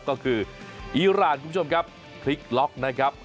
ก็คืออีรานคุณผู้ชมครับคลิกล็อกนะครับ